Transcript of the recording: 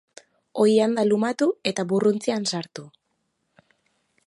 Oilanda lumatu eta burruntzian sartu.